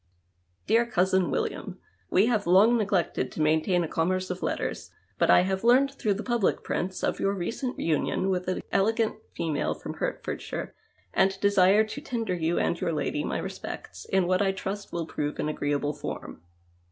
Dear Cousin William, — We have long neg lected to maintain a commerce of letters, but I have learned through the public jirints of your recent union with an elegant female from Hertfordshire and desire to tender you and your lady my respects in what I trust will prove an agreeable form.